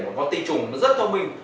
và con ti trùng nó rất thông minh